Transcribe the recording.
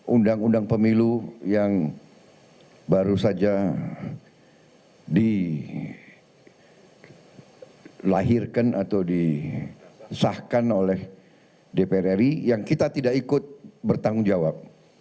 undang undang pemilu yang baru saja dilahirkan atau disahkan oleh dpr ri yang kita tidak ikut bertanggung jawab